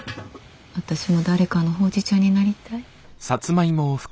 私も誰かのほうじ茶になりたい。